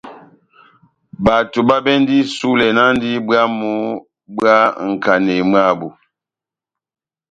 Bato babɛndi isulɛ náhndi bwamu bwá nkanéi mwabu.